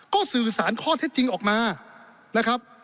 ก็สื่อสารข้อเท็จจริงออกมานะครับ